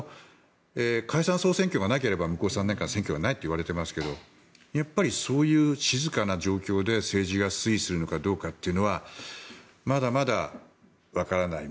解散・総選挙がなければ向こう３年間、選挙がないといわれていますがやっぱりそういう静かな状況で政治が推移するかどうかというのはまだまだわからない。